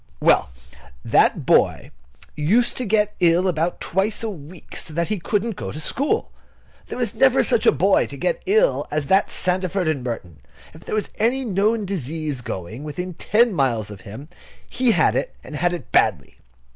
Well, that boy used to get ill about twice a week, so that he couldn't go to school. There never was such a boy to get ill as that Sandford and Merton. If there was any known disease going within ten miles of him, he had it, and had it badly.